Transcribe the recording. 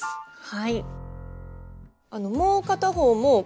はい。